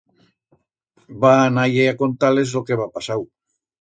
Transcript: Va anar-ie a contar-les lo que heba pasau.